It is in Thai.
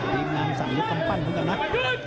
ดีมนามสั่งยกคำปั้น